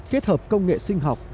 kết hợp công nghệ sinh học